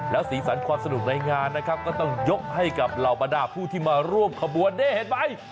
แล้วสีสันความสนุกในงานนะครับก็ต้องยกให้กับเหล่าบรรดาผู้ที่มาร่วมขบวนนี่เห็นไหม